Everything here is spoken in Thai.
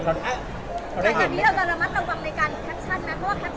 เพราะว่าแคปชั่นเราหลายคนต้องใครว่ามัน